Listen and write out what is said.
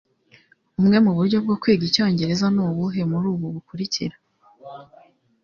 bumwe mu buryo bwo kwiga icyongereza ni ubuhe muri ubu bukurikira